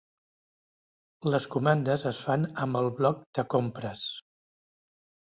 Les comandes es fan amb el bloc de compres.